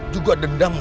juga dendam mereka